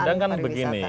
kadang kan begini